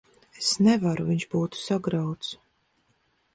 Es nevaru. Viņš būtu sagrauts.